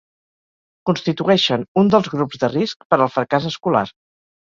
Constitueixen un dels grups de risc per al fracàs escolar.